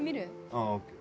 ああＯＫ